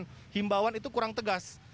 dan himbawan itu kurang tegas